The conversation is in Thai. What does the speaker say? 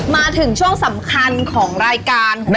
มาถึงช่วงสำคัญของรายการของเรา